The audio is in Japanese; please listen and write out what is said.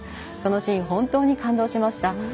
そのシーン、本当に感動しました。